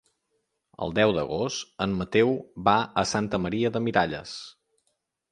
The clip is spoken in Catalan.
El deu d'agost en Mateu va a Santa Maria de Miralles.